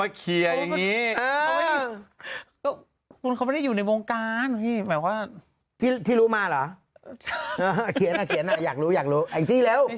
อ่ะเขียนสิเขียนสิเขียนสิเขียนสิเขียนสิเขียนสิเขียนสิเขียนสิ